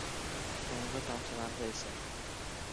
Һуңғы тамсыларҙы эсә.